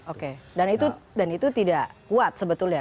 oke dan itu tidak kuat sebetulnya